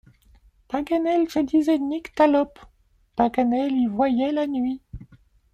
Paganel se disait nyctalope, Paganel y voyait la nuit.